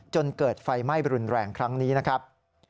จนเกิดไฟไหม้รุนแรงครั้งนี้นะครับ